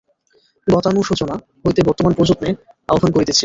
গতানুশোচনা হইতে বর্তমান প্রযত্নে আহ্বান করিতেছি।